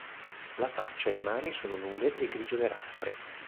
La faccia e le mani sono nude e grigio-nerastre.